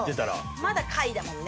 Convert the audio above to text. まだ下位だもんね。